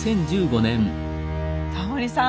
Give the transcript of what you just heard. タモリさん。